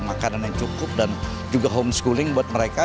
makanan yang cukup dan juga homeschooling buat mereka